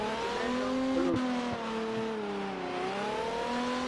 ফুলের রং হলুদ।